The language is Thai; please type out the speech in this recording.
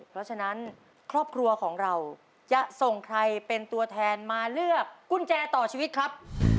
เพราะฉะนั้นครอบครัวของเราจะส่งใครเป็นตัวแทนมาเลือกกุญแจต่อชีวิตครับ